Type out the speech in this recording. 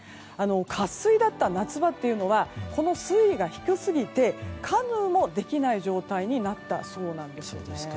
渇水だった夏場というのはこの水位が低すぎてカヌーもできない状態になったそうなんですね。